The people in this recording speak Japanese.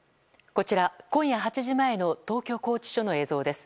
こちら、今夜８時前の東京拘置所の映像です。